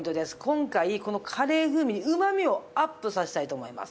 今回このカレー風味にうまみをアップさせたいと思います。